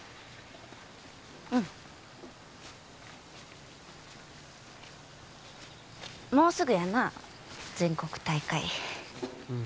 うんもうすぐやな全国大会うん